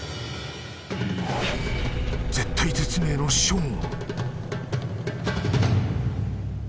［絶体絶命のショーン］